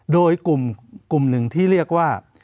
โดยกลุ่มหนึ่งที่เรียกว่า